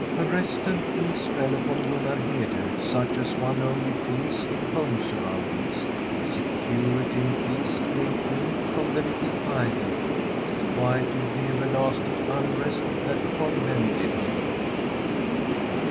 A re»t am! peace fell upon Gunnar Hede such an one only feels in home surroundings. Security an\i peace came to him from the little islet; it i)uietcii the everlasting unrest that tormened him.